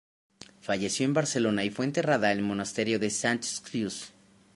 Falleció en Barcelona y fue enterrada en el monasterio de Santes Creus.